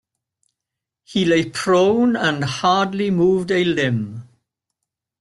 He lay prone and hardly moved a limb.